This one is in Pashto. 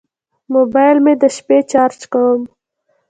موبایل مې د شپې چارج کوم.